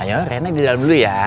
ayo rena di dalam dulu ya